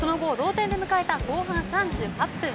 その後、同点で迎えた後半３８分。